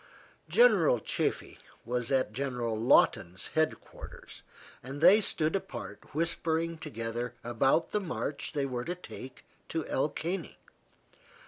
General Chaffee was at General Lawton's head quarters, and they stood apart whispering together about the march they were to take to El Caney.